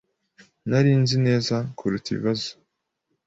Nari nzi neza kuruta kubaza ibibazo.